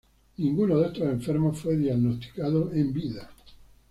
Ninguno de estos enfermos fue diagnosticado en vida.